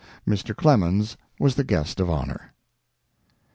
Mr. Clemens was the guest of honor.